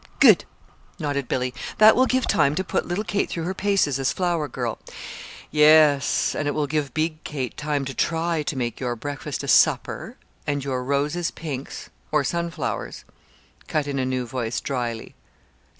"Good!" nodded Billy. "That will give time to put little Kate through her paces as flower girl." "Yes, and it will give Big Kate time to try to make your breakfast a supper, and your roses pinks or sunflowers," cut in a new voice, dryly.